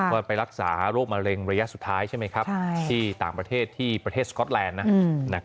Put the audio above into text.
ว่าไปรักษาโรคมะเร็งระยะสุดท้ายใช่ไหมครับที่ต่างประเทศที่ประเทศสก๊อตแลนด์